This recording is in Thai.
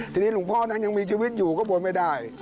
ทีนี้หลวงพ่อนั้นยังมีชีวิตอยู่ก็บนไม่ได้